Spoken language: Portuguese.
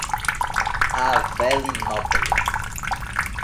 Avelinópolis